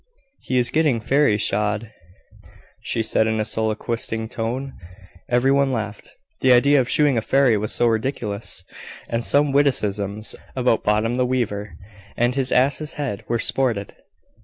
"He is getting Fairy shod," she said in a soliloquising tone. Every one laughed, the idea of shoeing a fairy was so ridiculous! and some witticisms, about Bottom the Weaver, and his ass's head, were sported.